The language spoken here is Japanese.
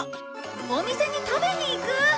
お店に食べに行く！